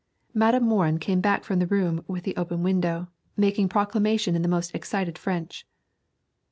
Madam Morin came back from the room with the open window, making proclamation in the most excited French.